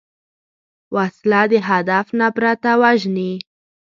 وسله د هدف نه پرته وژني